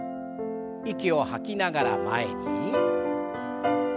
息を吐きながら前に。